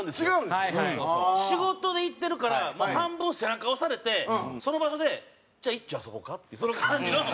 仕事で行ってるから半分背中押されてその場所でじゃあ一丁遊ぼうかっていうその感じのワクワク感。